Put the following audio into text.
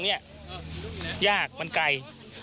ไม่ไกล